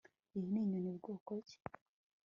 Iyi ni inyoni bwoko ki